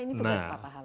ini tugas pak pahala